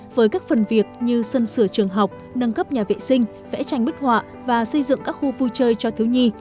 với các phần việc như sân sửa trường học nâng cấp nhà vệ sinh vẽ tranh bích họa và xây dựng các khu vui chơi cho thiếu nhi